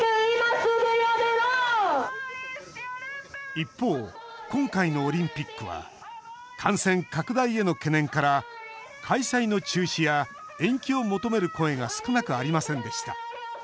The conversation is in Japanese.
一方、今回のオリンピックは感染拡大への懸念から開催の中止や延期を求める声が少なくありませんでした。